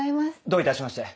どういたしまして。